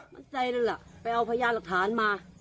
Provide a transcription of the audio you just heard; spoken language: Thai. มั่นใจเลยล่ะไปเอาพยานหลักฐานมา